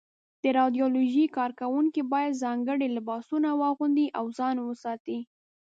د رادیالوجۍ کارکوونکي باید ځانګړي لباسونه واغوندي او ځان وساتي.